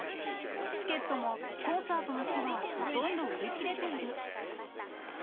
チケットもコンサートの日はほとんど売り切れている。